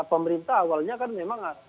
pemerintah awalnya kan memang